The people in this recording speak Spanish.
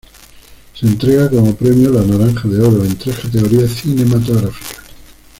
Se entrega como premio la Naranja de Oro en tres categorías cinematográficas.